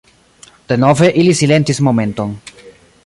Denove ili silentis momenton.